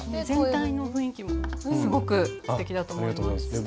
全体の雰囲気もすごくすてきだと思います。